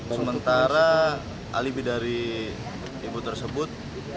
sementara alibi dari ibu tersebut